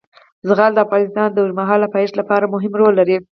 زغال د افغانستان د اوږدمهاله پایښت لپاره مهم رول لري.